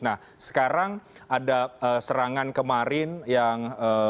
nah sekarang ada serangan kemarin yang